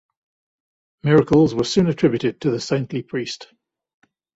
Miracles were soon attributed to the saintly priest.